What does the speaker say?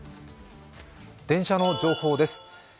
電車の情報です。